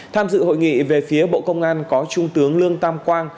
tham dự hội nghị về phía bộ công an có trung tướng lương tam quang